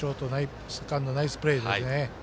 セカンド、ナイスプレーでね。